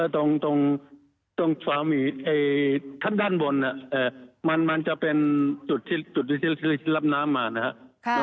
ตรงฝั่งหัดพัทยาทั้งด้านบนมันจะเป็นจุดที่รับน้ำมานะครับ